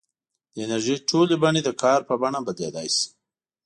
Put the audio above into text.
د انرژۍ ټولې بڼې د کار په بڼه بدلېدای شي.